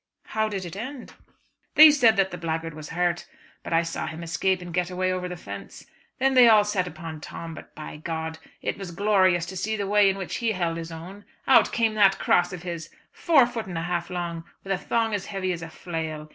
"How did it end?" "They said that the blackguard was hurt, but I saw him escape and get away over the fence. Then they all set upon Tom, but by G it was glorious to see the way in which he held his own. Out came that cross of his, four foot and a half long, with a thong as heavy as a flail.